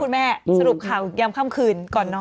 แม่สรุปข่าวย้ำค่ำคืนก่อนนอน